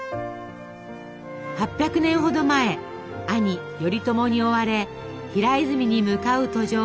８００年ほど前兄頼朝に追われ平泉に向かう途上